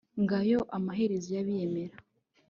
ngayo amaherezo y'abiyemera